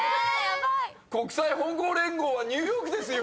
⁉国際ほんごう連合は「ニューヨーク」ですよ！